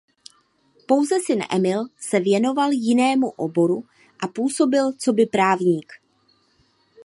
Pouze syn Emil se věnoval jinému oboru a působil coby právník.